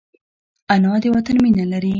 انا د وطن مینه لري